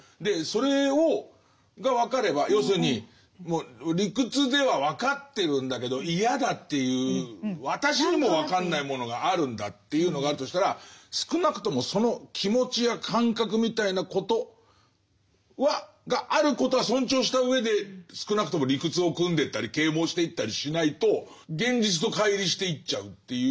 それが分かれば要するに理屈では分かってるんだけど嫌だっていう私にも分かんないものがあるんだっていうのがあるとしたら少なくともその気持ちや感覚みたいなことがあることは尊重した上で少なくとも理屈をくんでったり啓蒙していったりしないと現実と乖離していっちゃうっていうこと？